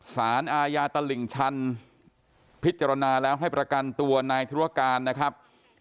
สารอาญาตลิ่งชันพิจารณาแล้วให้ประกันตัวนายธุรการนะครับ